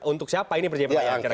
untuk siapa ini perjepitnya kira kira